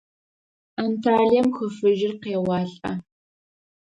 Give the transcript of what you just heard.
Анталием Хы Фыжьыр къеуалӏэ.